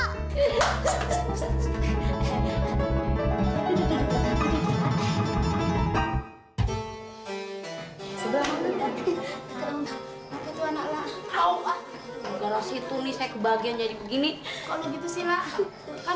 sebab itu anak allah allah allah situ nih saya kebahagiaan jadi begini kalau gitu silahkan